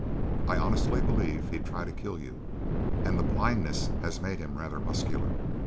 I honestly believe he'd try to kill you; and the blindness has made him rather muscular."